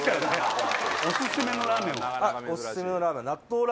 おすすめのラーメン。